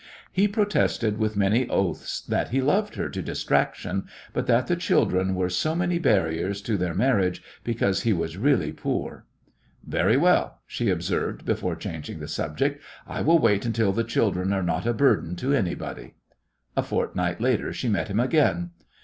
He protested with many oaths that he loved her to distraction, but that the children were so many barriers to their marriage because he was really poor. "Very well," she observed, before changing the subject, "I will wait until the children are not a burden to anybody." A fortnight later she met him again.